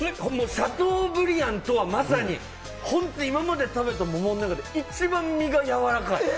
シャトーブリアンとは、まさに今まで食べた桃の中で一番実がやわらかい！